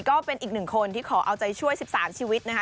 ก็เป็นอีกหนึ่งคนที่ขอเอาใจช่วย๑๓ชีวิตนะคะ